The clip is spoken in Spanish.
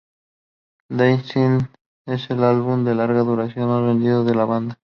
Danzig es el álbum de larga duración más vendido de la banda.